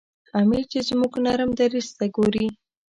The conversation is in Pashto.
امیر چې زموږ نرم دریځ ته ګوري.